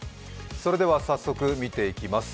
それでは早速見ていきます。